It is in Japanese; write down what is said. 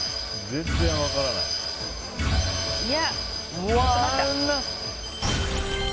全然分からない。